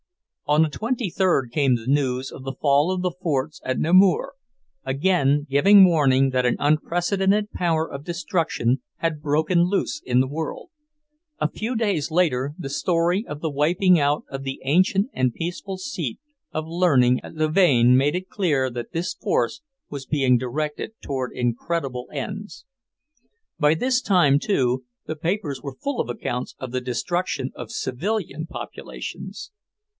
On the twenty third came the news of the fall of the forts at Namur; again giving warning that an unprecedented power of destruction had broken loose in the world. A few days later the story of the wiping out of the ancient and peaceful seat of learning at Louvain made it clear that this force was being directed toward incredible ends. By this time, too, the papers were full of accounts of the destruction of civilian populations.